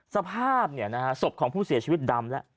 สภาพเนี่ยนะฮะศพของผู้เสียชีวิตดำแล้ว